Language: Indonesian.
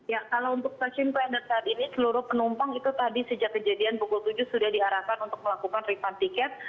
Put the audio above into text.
ya kalau untuk stasiun klender saat ini seluruh penumpang itu tadi sejak kejadian pukul tujuh sudah diarahkan untuk melakukan refund tiket